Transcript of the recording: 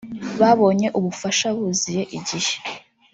babonye ubufasha buziye igihe